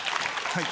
はい。